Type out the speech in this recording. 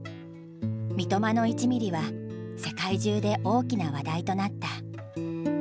「三笘の１ミリ」は世界中で大きな話題となった。